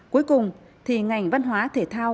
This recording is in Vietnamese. cuối cùng thì ngành văn hóa thể thao